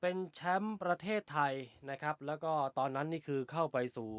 เป็นแชมป์ประเทศไทยนะครับแล้วก็ตอนนั้นนี่คือเข้าไปสู่